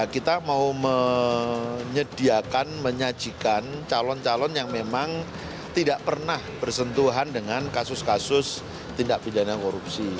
kita mau menyediakan menyajikan calon calon yang memang tidak pernah bersentuhan dengan kasus kasus tindak pidana korupsi